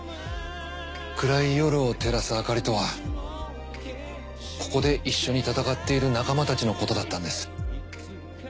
暗い夜を照らす明かりとはここで一緒に戦っている仲間たちのことだったんです。